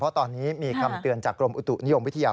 เพราะตอนนี้มีคำเตือนจากกรมอุตุนิยมวิทยา